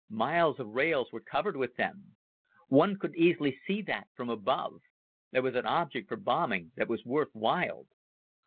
Miles of rails were covered with them. One could easily see that from above. There was an object for bombing that was worth while.